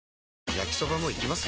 焼きソバもいきます？